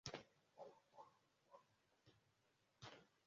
Umugabo wambaye ishati yumukara hamwe na karuvati yicyatsi